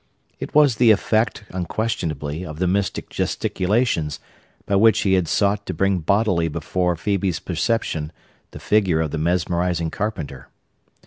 It was the effect, unquestionably, of the mystic gesticulations by which he had sought to bring bodily before Phœbe's perception the figure of the mesmerizing carpenter.